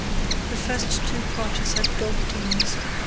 The first two parties had dog teams.